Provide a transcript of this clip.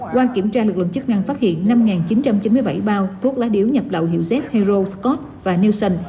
qua kiểm tra lực lượng chức năng phát hiện năm chín trăm chín mươi bảy bao thuốc lá điếu nhập lậu hiệu z hero scot và newson